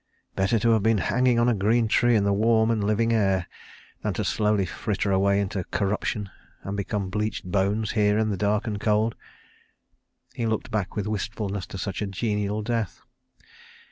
"Better to have been hanging on a green tree in the warm and living air than to slowly fritter away into corruption, and become bleached bones here in the dark and cold." He looked back with wistfulness to such a genial death.